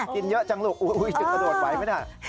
กินเยอะจังลูกโดดไปไหมเนี่ย